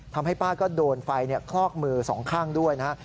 ทำให้ป้าก็โดนไฟคลอกมือสองข้างด้วยนะฮะ